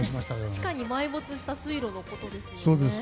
地下に埋没した水路のことですよね。